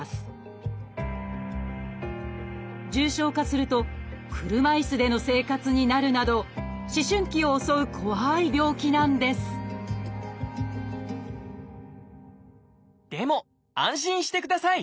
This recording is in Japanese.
重症化すると車いすでの生活になるなど思春期を襲う怖い病気なんですでも安心してください。